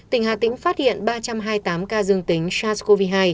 tỉnh hà tĩnh phát hiện ba trăm hai mươi tám ca dương tính sars cov hai